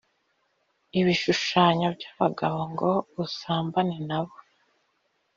ibishushanyo by abagabo ngo usambane na bo